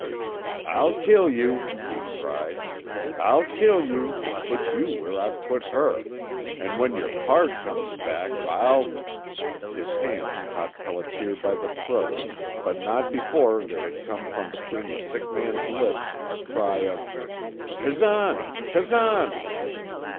"I'll kill you!" he cried. "I'll kill you, an' put you where I've put her, 'n' when your pard comes back I'll " His hands caught Pelliter by the throat, but not before there had come from between the sick man's lips a cry of "Kazan! Kazan!"